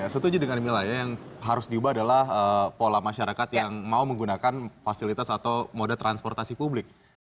setuju dengan wilayah yang harus diubah adalah pola masyarakat yang mau menggunakan fasilitas atau moda transportasi publik